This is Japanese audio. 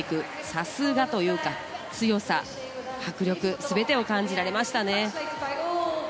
さすがというか、強さ、迫力全てを感じられましたね。